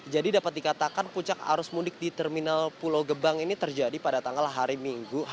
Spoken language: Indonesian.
jadi dapat dikatakan puncak arus mundik di terminal pulau gebang ini terjadi pada tanggal hari minggu